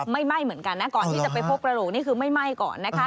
ไหม้เหมือนกันนะก่อนที่จะไปพบกระโหลกนี่คือไม่ไหม้ก่อนนะคะ